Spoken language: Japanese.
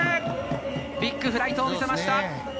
ビッグフライトを見せました。